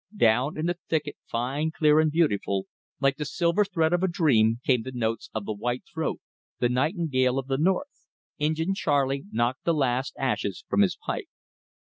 Down in the thicket, fine, clear, beautiful, like the silver thread of a dream, came the notes of the white throat the nightingale of the North. Injin Charley knocked the last ashes from his pipe.